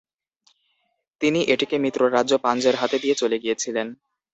তিনি এটিকে মিত্ররাজ্য পাঞ্জার হাতে দিয়ে চলে গিয়েছিলেন।